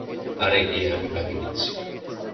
আরে, এ আমি কাকে দেখছি!